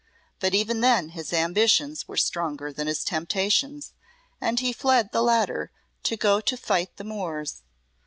But even then his ambitions were stronger than his temptations, and he fled the latter to go to fight the Moors.